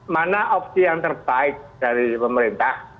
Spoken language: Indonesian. mana opsi yang terbaik dari pemerintah